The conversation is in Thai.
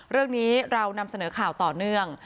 เรื่องนี้เรานำเสนอข่าวต่อเนื่อง